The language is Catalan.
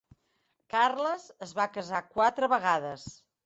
Carles es va casar quatre vegades.